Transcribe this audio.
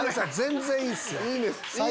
全然いいっすよ！